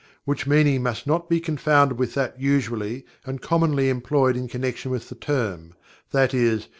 which meaning must not be confounded with that usually and commonly employed in connection with the term, i.e.